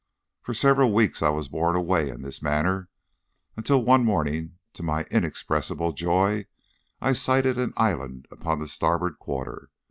For several weeks I was borne away in this manner, until one morning, to my inexpressible joy, I sighted an island upon the starboard quarter.